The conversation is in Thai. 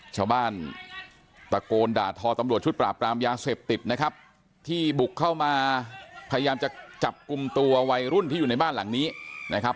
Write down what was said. ชาวบ้านตะโกนด่าทอตำรวจชุดปราบปรามยาเสพติดนะครับที่บุกเข้ามาพยายามจะจับกลุ่มตัววัยรุ่นที่อยู่ในบ้านหลังนี้นะครับ